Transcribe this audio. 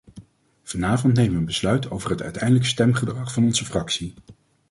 Vanavond nemen we een besluit over het uiteindelijk stemgedrag van onze fractie.